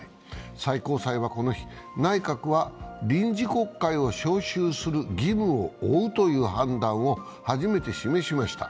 最高裁はこの日、内閣は臨時国会を召集する義務を負うという判断を初めて示しました。